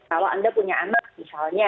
kalau anda punya anak misalnya